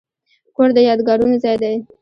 کور د یادګارونو ځای دی.